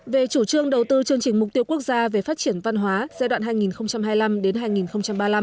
về chủ trương đầu tư chương trình mục tiêu quốc gia về phát triển văn hóa giai đoạn hai nghìn hai mươi năm hai nghìn ba mươi năm